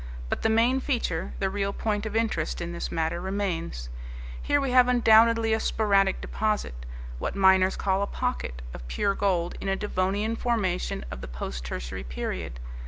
But the main feature, the real point of interest in this matter remains. Here we have undoubtedly a sporadic deposit what miners call a pocket of pure gold in a Devonian formation of the post tertiary period.